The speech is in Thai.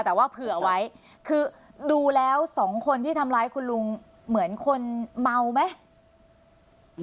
แต่ว่าเผื่อไว้คือดูแล้วสองคนที่ทำร้ายคุณลุงเหมือนคนเมาไหม